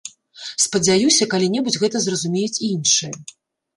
Спадзяюся, калі-небудзь гэта зразумеюць і іншыя.